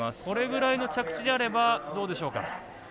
これぐらいの着地であればどうでしょうか。